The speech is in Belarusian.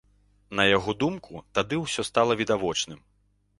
На яго думку, тады ўсё стала відавочным.